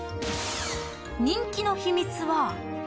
［人気の秘密は］